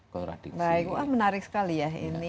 koordinasi baik menarik sekali ya ini